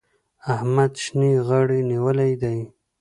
احمد شينې غاړې نيولی دی.